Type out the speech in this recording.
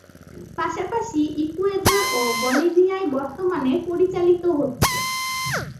পাশাপাশি ইকুয়েডর ও বলিভিয়ায় বর্তমানে পরিচালিত হচ্ছে।